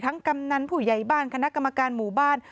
กำนันผู้ใหญ่บ้านคณะกรรมการหมู่บ้าน